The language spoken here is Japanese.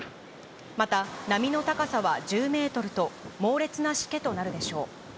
また、波の高さは１０メートルと、猛烈なしけとなるでしょう。